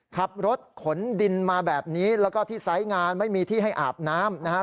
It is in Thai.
ขับรถขนดินมาแบบนี้แล้วก็ที่ไซส์งานไม่มีที่ให้อาบน้ำนะฮะ